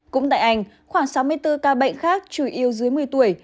cũng tại anh khoảng sáu mươi bốn ca bệnh khác chủ yếu dưới một mươi tuổi